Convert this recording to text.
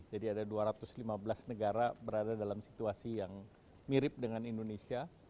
jadi ada dua ratus lima belas negara berada dalam situasi yang mirip dengan indonesia